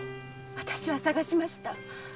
私は捜しました。